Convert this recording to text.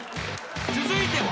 ［続いては］